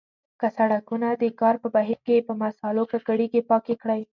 که سړکونه د کار په بهیر کې په مسالو ککړیږي پاک یې کړئ.